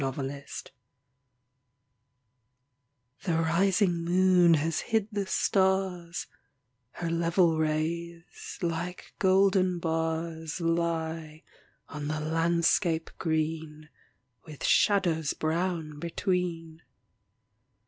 ENDYMION The rising moon has hid the stars; Her level rays, like golden bars, Lie on the landscape green, With shadows brown between.